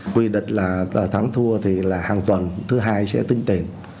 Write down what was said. quy định là thắng thua thì là hàng tuần thứ hai sẽ tính tiền